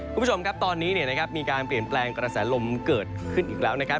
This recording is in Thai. คุณผู้ชมครับตอนนี้มีการเปลี่ยนแปลงกระแสลมเกิดขึ้นอีกแล้วนะครับ